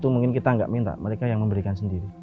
yang kita tidak minta mereka yang memberikan sendiri